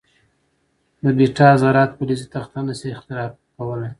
د بیټا ذرات فلزي تخته نه شي اختراق کولای.